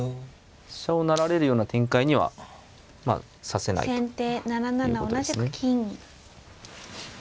飛車を成られるような展開にはさせないということですね。